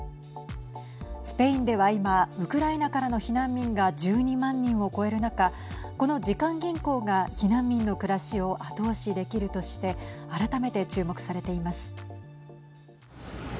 スペインでは今ウクライナからの避難民が１２万人を超える中この時間銀行が避難民の暮らしを後押しできるとして改めて注目されています。